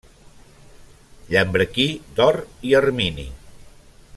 Llambrequí d'or i ermini.